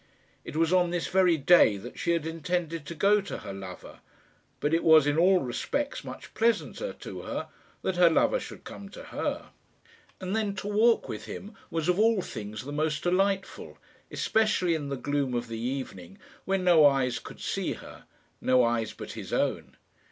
It was on this very day that she had intended to go to her lover; but it was in all respects much pleasanter to her that her lover should come to her. And then, to walk with him was of all things the most delightful, especially in the gloom of the evening, when no eyes could see her no eyes but his own.